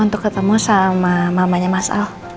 untuk ketemu sama mamanya mas ahok